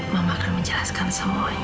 mama akan menjelaskan semuanya